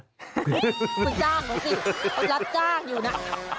คุณจ้างเขาสิเขารับจ้างอยู่นะ